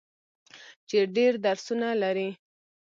چې ډیر درسونه لري.